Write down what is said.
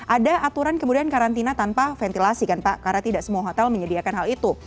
ada aturan kemudian karantina tanpa ventilasi kan pak karena tidak semua hotel menyediakan hal itu